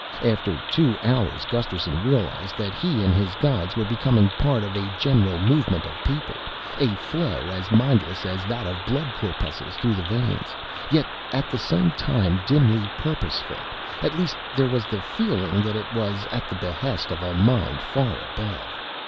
After two hours Gusterson realized that he and his guides were becoming part of a general movement of people, a flow as mindless as that of blood corpuscles through the veins, yet at the same time dimly purposeful at least there was the feeling that it was at the behest of a mind far above.